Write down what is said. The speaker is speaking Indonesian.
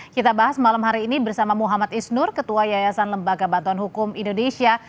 kita bahas malam hari ini bersama muhammad isnur ketua yayasan lembaga bantuan hukum indonesia